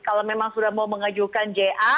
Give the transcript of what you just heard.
kalau memang sudah mau mengajukan ja